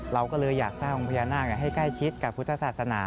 เราก็เลยอยากสร้างองค์พญานาคให้ใกล้ชิดกับพุทธศาสนา